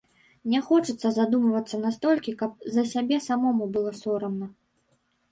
Не хочацца задумвацца настолькі, каб за сябе самому было сорамна.